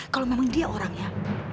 kalau memang dia orangnya